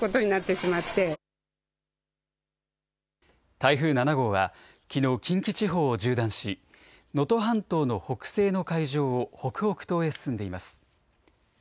台風７号はきのう、近畿地方を縦断し能登半島の北西の海上を北北東へ進んでいます。